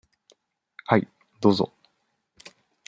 はい、どうぞ。